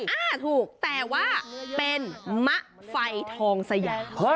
อ่าถูกแต่ว่าเป็นมะไฟทองสยาม